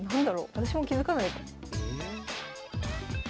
私も気付かないぞ。